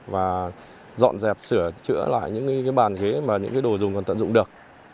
và dọn dẹp sửa chữa lại những bàn ghế mà những đồ dùng còn tận dụng được